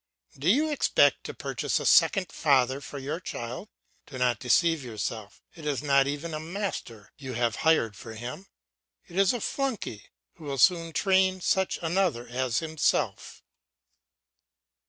do you expect to purchase a second father for your child? Do not deceive yourself; it is not even a master you have hired for him, it is a flunkey, who will soon train such another as himself.